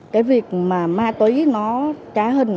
cái việc mà ma túy nó trả hình